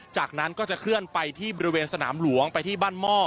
จากนั้นก็จะเคลื่อนไปที่บริเวณสนามหลวงไปที่บ้านหม้อ